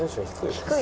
低い。